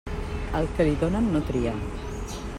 Al que li donen, no tria.